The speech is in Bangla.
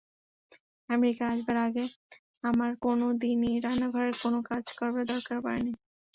আমেরিকা আসবার আগে আমার কোনো দিনই রান্নাঘরের কোনো কাজ করবার দরকার পড়েনি।